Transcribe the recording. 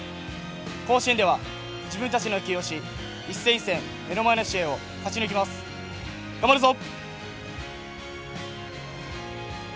甲子園では自分たちの野球をし一戦一戦、目の前の試合を勝ち抜きます。頑張るぞ！